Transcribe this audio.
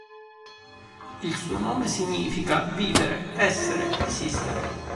Il suo nome significa "vivere, essere, esistere".